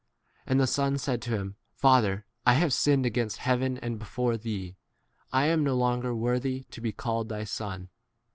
And the son said to him, Father, I have sinned against heaven and before thee : pI am no longer worthy to 22 be called thy son.